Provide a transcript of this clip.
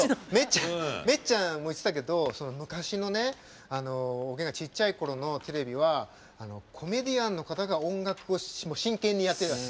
めっちゃんも言ってたけど昔のねおげんがちっちゃい頃のテレビはコメディアンの方が音楽を真剣にやってたの。